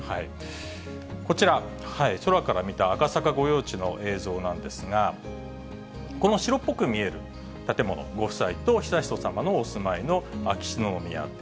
こちら、空から見た赤坂御用地の映像なんですが、この白っぽく見える建物、ご夫妻と悠仁さまのお住まいの秋篠宮邸。